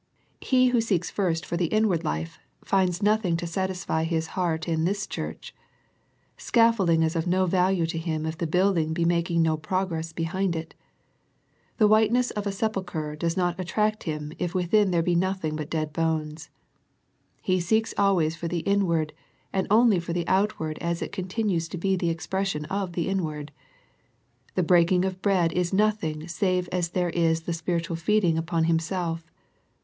He Who seeks first for the inward life, finds noth ^ ing to satisfy His heart in this church. Scaf folding is of no value to Him if the building be making no progress behind it. The white ness of a sepulcher does not attract Him if within there be nothing but dead bones. He seeks always for the inward, and only for the outward as it continues to be the expression of the inward. The breaking of bread is nothing save as there is the spiritual feeding upon Him self.